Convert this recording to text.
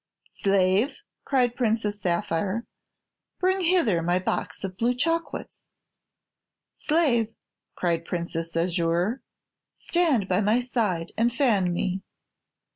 "Slave!" cried Princess Sapphire, "bring hither my box of blue chocolates." "Slave!" cried Princess Azure, "stand by my side and fan me."